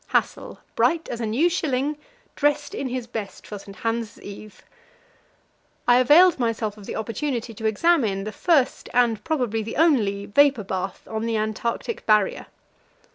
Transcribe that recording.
Hassel, bright as a new shilling, dressed in his best for St. Hans' Eve. I availed myself of the opportunity to examine the first, and probably the only, vapour bath on the Antarctic Barrier.